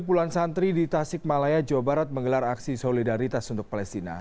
puluhan santri di tasik malaya jawa barat menggelar aksi solidaritas untuk palestina